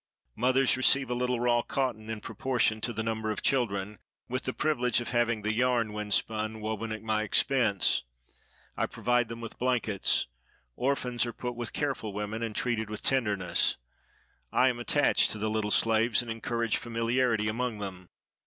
Mothers receive a little raw cotton, in proportion to the number of children, with the privilege of having the yarn, when spun, woven at my expense. I provide them with blankets. Orphans are put with careful women, and treated with tenderness. I am attached to the little slaves, and encourage familiarity among them.